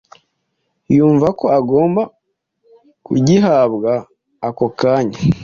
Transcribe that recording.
yumva ko agomba kugihabwa ako kanya